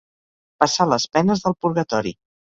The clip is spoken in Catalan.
Passar les penes del purgatori.